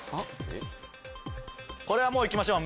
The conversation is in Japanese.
これはいきましょう！